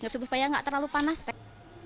supaya nggak terlalu panas teh